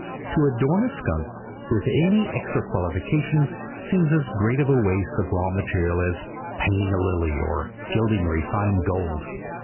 To adorn a skunk with any extra qualifications seems as great a waste of the raw material as painting the lily or gilding refined gold.